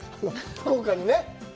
福岡にね？